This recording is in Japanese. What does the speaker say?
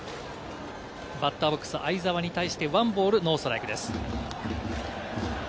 バッターボックス、會澤に対して１ボールノーストライクです。